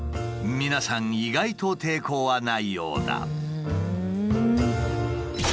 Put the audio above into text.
皆さん意外と抵抗はないようだ。